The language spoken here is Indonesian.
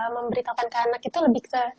memberitakan ke anak itu lebih